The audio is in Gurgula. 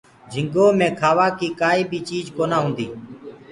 جهنگو مي کآوآ ڪيٚ ڪآئي بي چيج ڪونآ هوندي۔